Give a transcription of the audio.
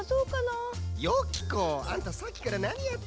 あんたさっきからなにやってるのよ。